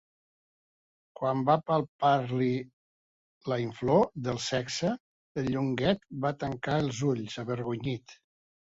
Quan va palpar-li la inflor del sexe el Llonguet va tancar els ulls, avergonyit.